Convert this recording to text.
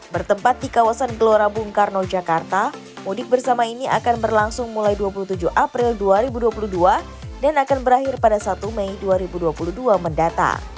bertempat di kawasan gelora bung karno jakarta mudik bersama ini akan berlangsung mulai dua puluh tujuh april dua ribu dua puluh dua dan akan berakhir pada satu mei dua ribu dua puluh dua mendatang